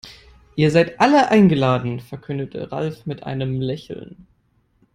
Ihr seid alle eingeladen, verkündete Ralf mit einem Lächeln.